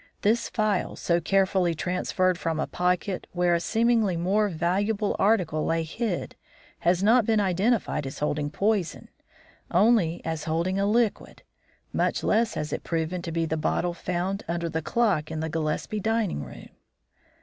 This phial, so carefully transferred from a pocket where a seemingly more valuable article lay hid, has not been identified as holding poison, only as holding a liquid. Much less has it been proven to be the bottle found under the clock in the Gillespie dining room."